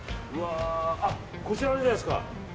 こちら、あれじゃないですか。